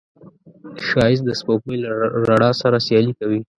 ښایست د سپوږمۍ له رڼا سره سیالي کوي